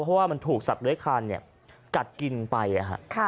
เพราะว่ามันถูกสัดเลื้อคานเนี่ยกัดกินไปอ่ะฮะค่ะ